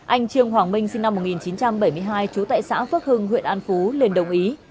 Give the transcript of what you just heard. anh trương hoàng minh sinh năm một nghìn chín trăm bảy mươi hai trú tại xã phước hưng huyện an phú lên đồng ý